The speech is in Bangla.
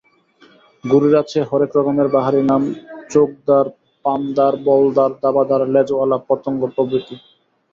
ঘুড়ির আছে হরেক রকমের বাহারি নাম—চোখদার, পানদার, বলদার, দাবাদার, লেজওয়ালা, পতঙ্গ প্রভৃতি।